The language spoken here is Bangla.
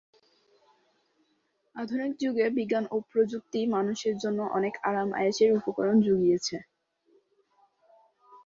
আধুনিক যুগে বিজ্ঞান ও প্রযুক্তি মানুষের জন্য অনেক আরাম-আয়েশের উপকরণ জুগিয়েছে।